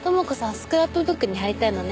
スクラップブックに貼りたいのね？